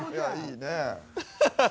ハハハ！